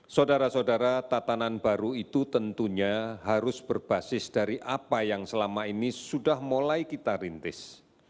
saudara saudara tatanan baru itu tentunya harus berbasis dari apa yang selama ini sudah mulai kita rintis